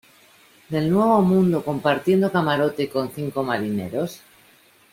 del nuevo mundo compartiendo camarote con cinco marineros?